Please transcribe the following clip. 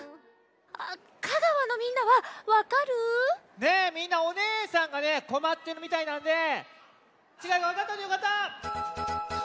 香川のみんなはわかる？ねえみんなおねえさんがこまってるみたいなんでちがいがわかったというかた！